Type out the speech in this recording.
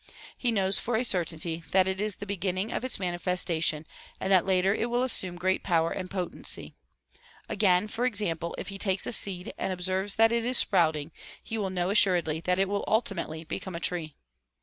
He knows for a certainty that it is the beginning of its manifestation and that later it will assume great power and potency. Again, for example, if he takes a seed and observes that it is sprouting, he will know assuredly that it will ultimately become a tree.